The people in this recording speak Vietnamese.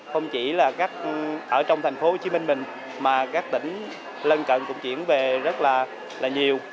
không chỉ là ở trong thành phố hồ chí minh mình mà các tỉnh lân cận cũng chuyển về rất là nhiều